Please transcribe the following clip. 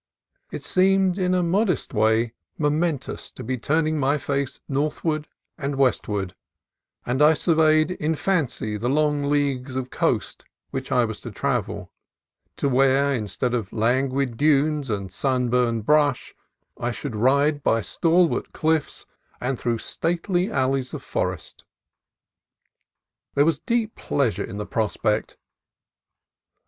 It seemed in a modest way momentous to be turning my face northward and westward; and I surveyed in fancy the long leagues of coast which I was to travel, to where, instead of languid dunes and sunburned brush, I should ride by stal wart cliffs and through stately alleys of forest. There was deep pleasure in the prospect.